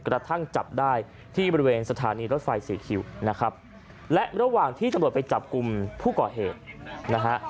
กระทั่งจับได้ที่บริเวณสถานีรถไฟสี่คิวนะครับและระหว่างที่ตำรวจไปจับกลุ่มผู้ก่อเหตุนะฮะ